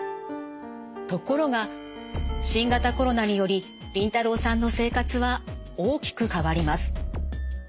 ところが新型コロナによりリンタロウさんの生活は大きく変わります。